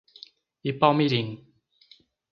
Ipaumirim